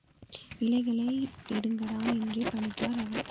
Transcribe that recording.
இலைகளை எடுங்கடா! என்று பணித்தார் அவர்.